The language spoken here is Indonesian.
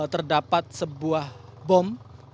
terdapat sebuah bom